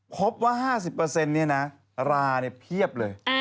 พบว่า๕๐นี่นะราเห็นเพียบเลย